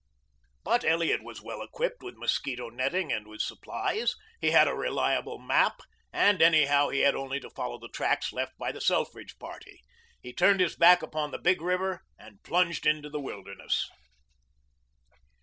But Elliot was well equipped with mosquito netting and with supplies. He had a reliable map, and anyhow he had only to follow the tracks left by the Selfridge party. He turned his back upon the big river and plunged into the wilderness.